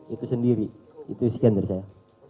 itu sendiri itu isikan dari saya